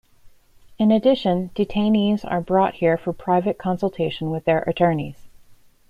In addition, detainees are brought here for private consultation with their attorneys.